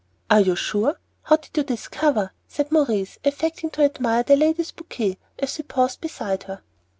"Are you sure? How did you discover?" said Maurice, affecting to admire the lady's bouquet, as he paused beside her.